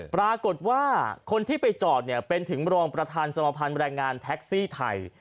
ปรากฏว่าคนที่ไปจอดเนี่ยเป็นถึงรองประธานสมภัณฑ์แรงงานแท็กซี่ไทย